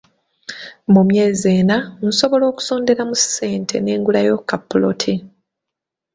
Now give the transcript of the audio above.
Mu myezi ena nsobola okusonderamu ssente ne ngulayo ka ppoloti.